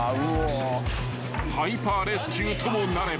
［ハイパーレスキューともなれば］